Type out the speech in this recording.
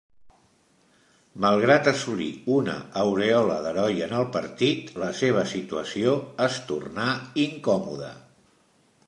Malgrat assolir una aurèola d'heroi en el partit, la seva situació es tornà incòmoda.